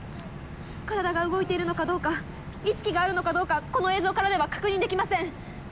体が動いているのかどうか意識があるのかどうかこの映像からでは確認できません。